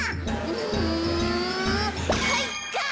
うんかいか！